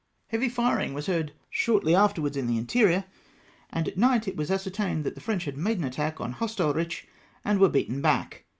Heavy firing was heard shortly afterwards in the interior, and at night it was ascertained that the French had made an attack on Hostalrich and were beaten back.